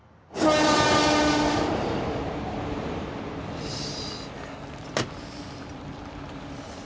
よし。